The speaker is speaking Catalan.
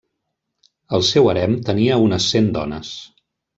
El seu harem tenia unes cent dones.